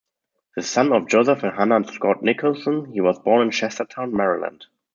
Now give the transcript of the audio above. The son of Joseph and Hannah Scott Nicholson, he was born in Chestertown, Maryland.